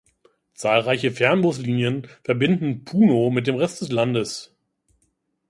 Zahlreiche Fernbuslinien verbinden Puno mit dem Rest des Landes.